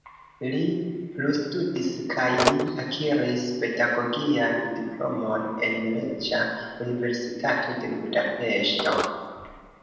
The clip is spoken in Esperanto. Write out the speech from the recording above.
Li plustudis kaj li akiris pedagogian diplomon en Reĝa Universitato de Budapeŝto.